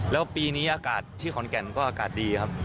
แล้วปีนี้อากาศที่ขอนแก่นก็อากาศดีครับ